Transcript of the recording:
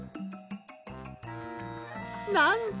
なんと！？